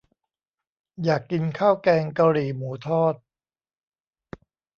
อยากกินข้าวแกงกะหรี่หมูทอด